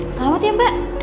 selamat ya mbak